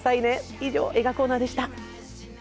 以上映画コーナーでした